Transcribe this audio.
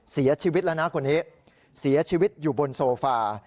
เสียชีวิตแล้วนะคนนี้เสียชีวิตอยู่บนโซฟา